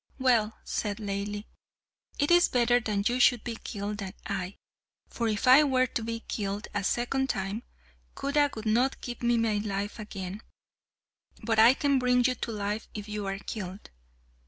"Well," said Laili, "it is better that you should be killed than I, for if I were to be killed a second time, Khuda would not give me my life again; but I can bring you to life if you are killed."